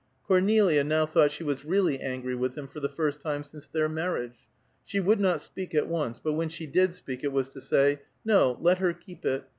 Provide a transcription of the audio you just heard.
Cornelia now thought she was really angry with him for the first time since their marriage. She would not speak at once, but when she did speak, it was to say, "No, let her keep it.